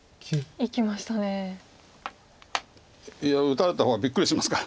いや打たれた方はびっくりしますから。